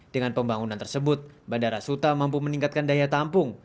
dengan pembangunan tersebut bandara suta mampu meningkatkan daya tampung